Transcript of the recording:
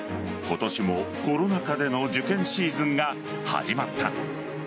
今年もコロナ禍での受験シーズンが始まった。